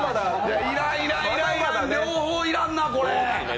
いらん、いらん、両方いらんな、これ。